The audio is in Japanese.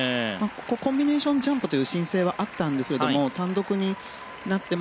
コンビネーションジャンプという申請はあったんですけれども単独になって。